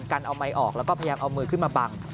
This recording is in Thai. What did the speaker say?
กันเอาไมค์ออกแล้วก็พยายามเอามือขึ้นมาบัง